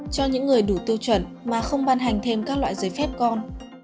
cho những người đủ tiêu chuẩn mà không ban hành thêm các loại giấy phép con